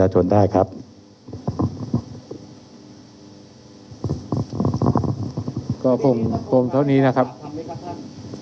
ก็คงคงเท่านี้นะครับอะไรนะฮะพอดีนี้จะให้ครูท้อนนครสวรรค์ทำ